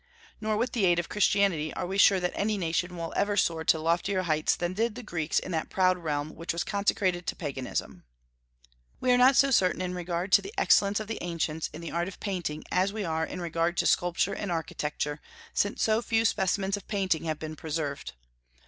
Nor with the aid of Christianity are we sure that any nation will ever soar to loftier heights than did the Greeks in that proud realm which was consecrated to Paganism. We are not so certain in regard to the excellence of the ancients in the art of painting as we are in regard to sculpture and architecture, since so few specimens of painting have been preserved.